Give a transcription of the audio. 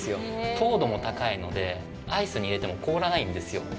糖度も高いのでアイスに入れても凍らないんですよ。